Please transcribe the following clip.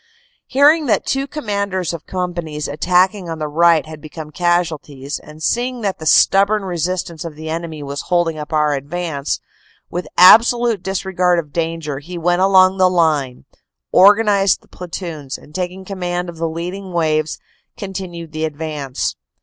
Hearing that two commanders of companies attacking on the right had become casualties, and seeing that the stubborn resistance of the enemy was holding up our advance, with absolute disregard of danger, he went along the line, organized the platoons, and taking command of the leading waves, con tinued the advance.